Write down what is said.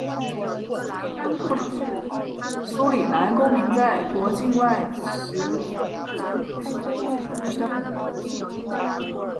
苏里南护照是苏里南公民在国境外时证明其国籍和身份的旅行证件。